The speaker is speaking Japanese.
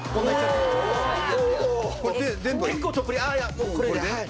もうこれではい。